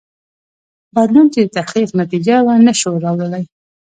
بدلون چې د تحقیق نتیجه وه نه شو راوړلای.